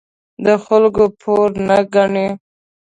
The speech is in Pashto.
د خلکو پور نه ګڼي.